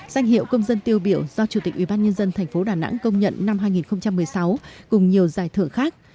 danh hiệu công dân tiêu biểu do chủ tịch ủy ban nhân dân thành phố đà nẵng công nhận năm hai nghìn một mươi sáu cùng nhiều giải thưởng khác